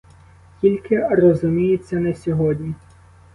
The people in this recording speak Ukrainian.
Тільки, розуміється, не сьогодні.